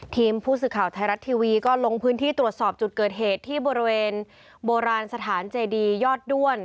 ทีมข่าวไทยรัฐทีวีก็ลงพื้นที่ตรวจสอบจุดเกิดเหตุที่บริเวณโบราณสถานเจดียอดด้วน